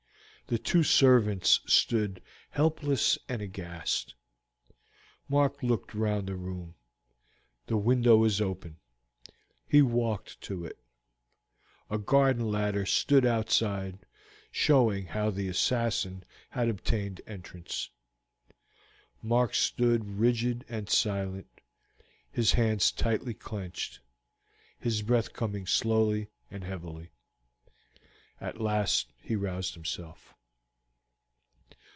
The two servants stood helpless and aghast. Mark looked round the room: the window was open. He walked to it. A garden ladder stood outside, showing how the assassin had obtained entrance. Mark stood rigid and silent, his hands tightly clenched, his breath coming slowly and heavily. At last he roused himself.